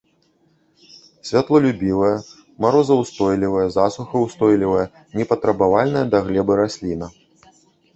Святлолюбівая, марозаўстойлівая, засухаўстойлівая, не патрабавальная да глебы расліна.